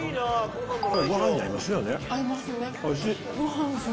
ごはんに合いますよね。